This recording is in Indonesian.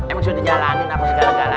emang sudah dijalanin apa segala gala